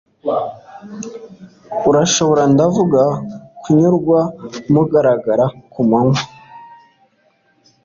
urashobora, ndavuga, kunyurwa, mugaragara kumanywa